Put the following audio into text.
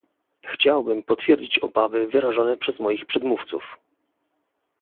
Chciałbym potwierdzić obawy wyrażone przez moich przedmówców